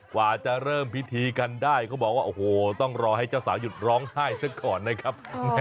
กว่าจะเริ่มพิธีกันได้เขาบอกว่าโอ้โหต้องรอให้เจ้าสาวหยุดร้องไห้ซะก่อนนะครับ